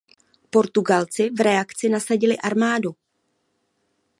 Portugalci v reakci nasadili armádu.